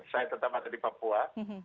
saya tetap ada di papua